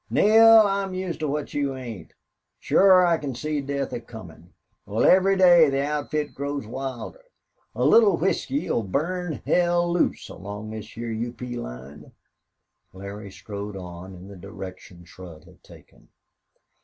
"Neale. I'm used to what you ain't. Shore I can see death a comin'. Wal, every day the outfit grows wilder. A little whisky 'll burn hell loose along this heah U.P. line." Larry strode on in the direction Shurd had taken.